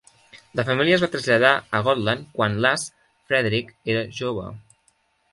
La família es va traslladar a Gotland quan Lars Fredrik era jove.